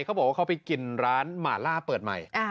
เขาบอกว่าเขาไปกินร้านหมาล่าเปิดใหม่